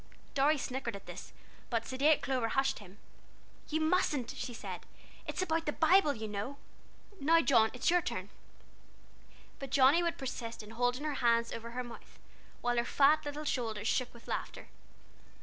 Dorry snickered at this, but sedate Clover hushed him. "You mustn't," she said; "it's about the Bible, you know. Now John, it's your turn." But Johnnie would persist in holding her hands over her mouth, while her fat little shoulders shook with laughter.